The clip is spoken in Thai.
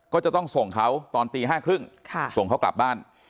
ก็จะต้องส่งเขาตอนตี๕๓๐ส่งเขากลับบ้าน